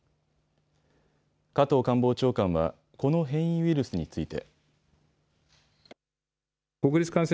加藤官房長官はこの変異ウイルスについて。